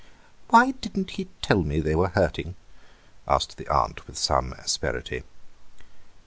"Why didn't he tell me they were hurting?" asked the aunt with some asperity.